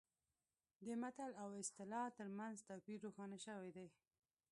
د متل او اصطلاح ترمنځ توپیر روښانه شوی دی